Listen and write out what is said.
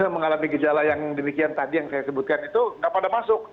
mengalami gejala yang demikian tadi yang saya sebutkan itu nggak pada masuk